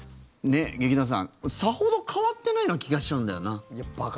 ねえ、劇団さんさほど変わってないような気がしちゃうんだよな。